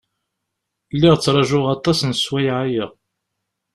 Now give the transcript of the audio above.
Lliɣ ttṛajuɣ aṭas n sswayeɛ-aya.